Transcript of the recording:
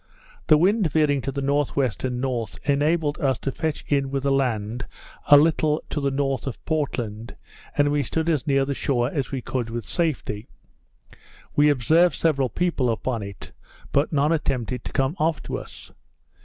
The wind veering to the N.W. and north, enabled us to fetch in with the land a little to the north of Portland, and we stood as near the shore as we could with safety. We observed several people upon it, but none attempted to come off to us.